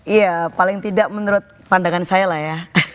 iya paling tidak menurut pandangan saya lah ya